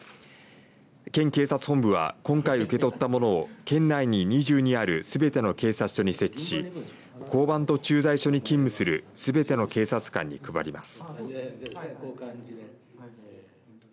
県警察本部は今回受け取ったものを県内に２２あるすべての警察署に設置し交番と駐在所に勤務するすべての警察官に配ります。